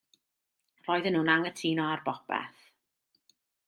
Roedden nhw'n anghytuno ar bopeth.